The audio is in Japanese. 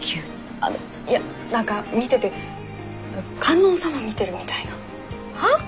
あのいや何か見てて観音様見てるみたいな。は？